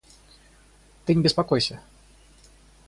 Ты не беспокойся.